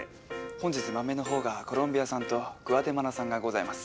本日豆のほうがコロンビア産とグアテマラ産がございます。